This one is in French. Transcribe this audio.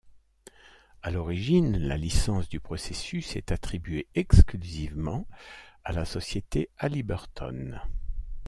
À l'origine, la licence du processus est attribuée exclusivement à la société Halliburton.